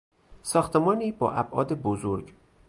ساختمانی با ابعاد بزرگ